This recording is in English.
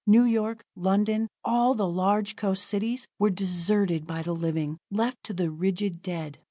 New York, London, all the large coast cities were deserted by the living, left to the rigid dead.